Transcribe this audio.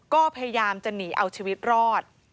ก็พยายามจะหนีเอาชีวิตรอด